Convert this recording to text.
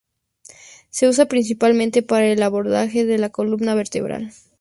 Se usa principalmente para el abordaje de la columna vertebral.